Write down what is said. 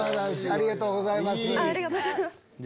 ありがとうございます。